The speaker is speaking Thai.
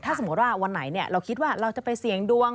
ถ้าสมมุติว่าวันไหนเราคิดว่าเราจะไปเสี่ยงดวง